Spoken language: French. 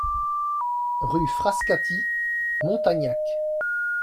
Rue Frascati, Montagnac